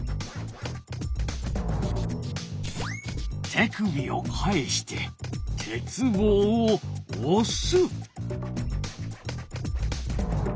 手首を返して鉄棒をおす。